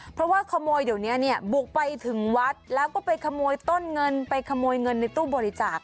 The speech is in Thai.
เพราะว่าขโมยเดี๋ยวนี้เนี่ยบุกไปถึงวัดแล้วก็ไปขโมยต้นเงินไปขโมยเงินในตู้บริจาค